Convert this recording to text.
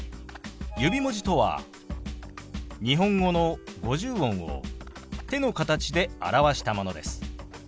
指文字とは日本語の五十音を手の形で表したものです。